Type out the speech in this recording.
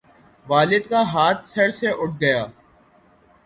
والد کا ہاتھ سر سے اٹھ گیا